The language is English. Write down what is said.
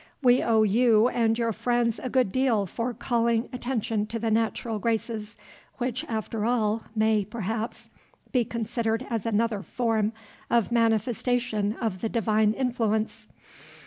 "We owe you and your friends a good deal for calling attention to the natural graces, which, after all, may, perhaps, be considered as another form of manifestation of the divine influence.